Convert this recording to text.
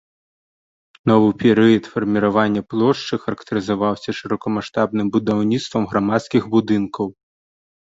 Новы перыяд фарміравання плошчы, характарызаваўся шырокамаштабным будаўніцтвам грамадскіх будынкаў.